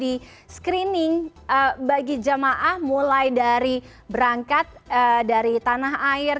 di screening bagi jamaah mulai dari berangkat dari tanah air